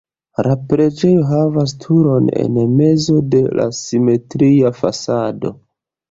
La preĝejo havas turon en mezo de la simetria fasado.